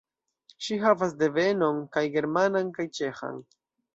Ŝi havas devenon kaj germanan kaj ĉeĥan.